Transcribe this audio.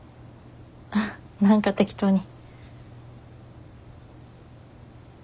あっ何か適当に。